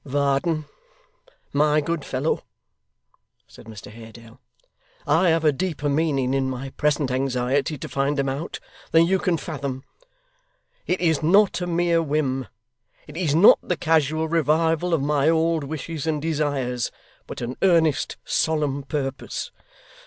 'Varden, my good fellow,' said Mr Haredale, 'I have a deeper meaning in my present anxiety to find them out, than you can fathom. It is not a mere whim; it is not the casual revival of my old wishes and desires; but an earnest, solemn purpose.